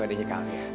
adiknya kak alia